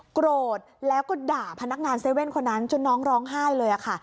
โกรธแล้วก็ด่าพนักงาน๗๑๑คนนั้นจนน้องร้องไห้เลยค่ะ